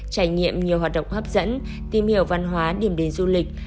trải nghiệm nhiều hoạt động hấp dẫn tìm hiểu văn hóa điểm đến du lịch